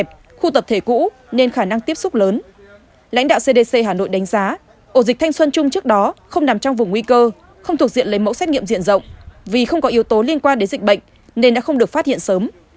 lãnh đạo cdc hà nội đánh giá ổ dịch thanh xuân trung trước đó không nằm trong vùng nguy cơ không thuộc diện lấy mẫu xét nghiệm diện rộng vì không có yếu tố liên quan đến dịch bệnh nên đã không được phát hiện sớm